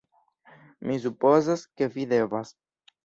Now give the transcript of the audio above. Mi supozas, ke vi devas...